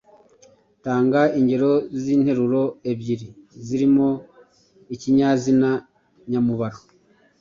Tanga ingero z’interuro ebyiri zirimo ikinyazina nyamubaro.